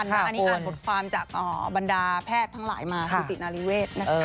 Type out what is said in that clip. อันนี้อ่านบทความจากบรรดาแพทย์ทั้งหลายมากุตินาริเวศนะคะ